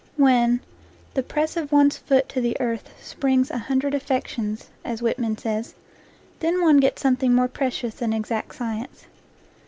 When "the press of one's foot to the earth springs a hundred affections," as Whitman says, then one gets some thing more precious than exact science.